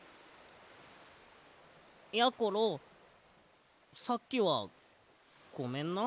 やころさっきはごめんな。